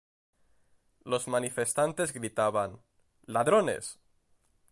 Los manifestantes gritaban "¡Ladrones!